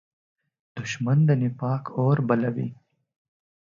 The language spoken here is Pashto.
دښمن د نفاق اور بلوي